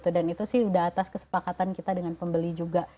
dan itu sih sudah atas kesepakatan kita dengan pembeli juga